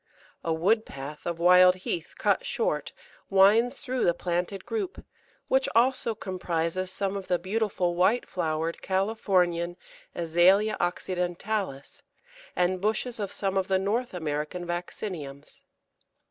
A wood path of wild heath cut short winds through the planted group, which also comprises some of the beautiful white flowered Californian Azalea occidentalis, and bushes of some of the North American Vacciniums.